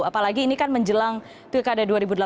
apalagi ini kan menjelang pilkada dua ribu delapan belas